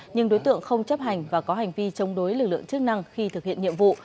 nhưng đối tượng không chấp hành và có hành vi chống đối lực lượng chức năng khi thực hiện nhiệm vụ